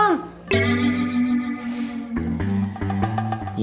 aku jangan ngajarin kamu